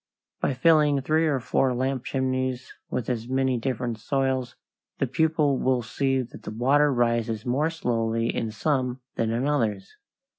By filling three or four lamp chimneys with as many different soils, the pupil will see that the water rises more slowly in some than in others.